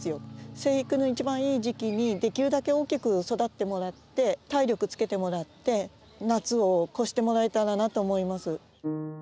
生育の一番いい時期にできるだけ大きく育ってもらって体力つけてもらって夏を越してもらえたらなと思います。